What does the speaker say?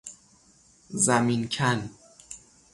زمین کن